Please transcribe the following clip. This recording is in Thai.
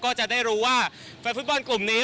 ก็จะได้รู้ว่าแฟนฟุตบอลกลุ่มนี้